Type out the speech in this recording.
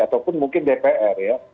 ataupun mungkin dpr ya